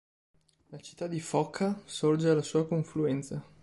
La città di Foča sorge alla sua confluenza.